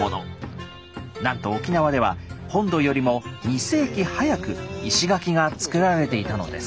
なんと沖縄では本土よりも２世紀早く石垣が造られていたのです。